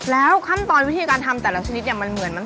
แล้วขั้มตอนวิธีการทำแต่ละชนิดอย่างเหมือน